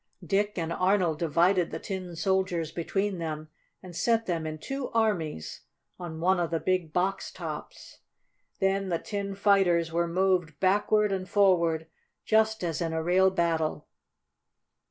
Dick and Arnold divided the Tin Soldiers between them, and set them in two armies on one of the big box tops. Then the tin fighters were moved backward and forward, just as in real battle.